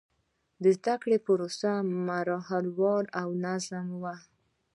د زده کړې پروسه مرحله وار او منظم و.